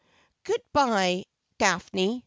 ' G ood bye, Daphne !'